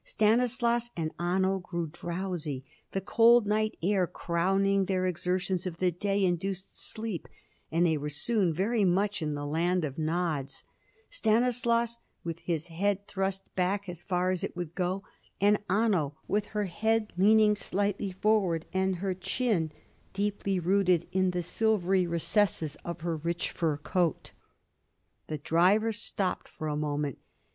Stanislaus and Anno grew drowsy; the cold night air, crowning their exertions of the day, induced sleep, and they were soon very much in the land of nods: Stanislaus with his head thrust back as far as it would go, and Anno with her head leaning slightly forward and her chin deeply rooted in the silvery recesses of her rich fur coat. The driver stopped for a moment.